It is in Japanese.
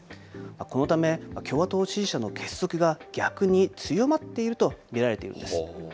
このため共和党支持者の結束が逆に強まっていると見られているんです。